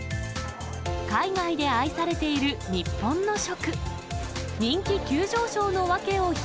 海外で愛されている日本の食。